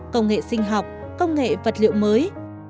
công nghệ sinh học công nghệ vật liệu mới